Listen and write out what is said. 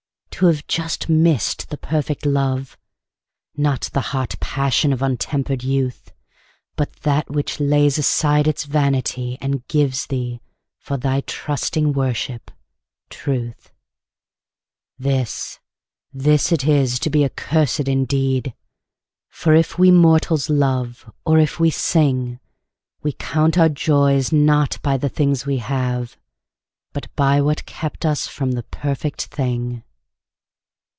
To have just missed the perfect love, Not the hot passion of untempered youth, But that which lays aside its vanity And gives thee, for thy trusting worship, truth— This, this it is to be accursed indeed; For if we mortals love, or if we sing, We count our joys not by the things we have, But by what kept us from the perfect thing.